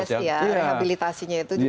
jadi ada proses ya rehabilitasinya itu